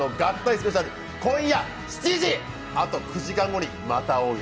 スペシャル、今夜７時、あと９時間後にまた会おうや！